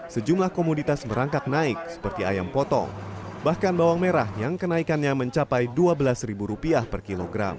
sejumlah komoditas merangkak naik seperti ayam potong bahkan bawang merah yang kenaikannya mencapai rp dua belas per kilogram